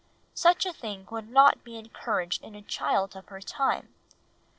Such a thing would not be encouraged in a child of her time.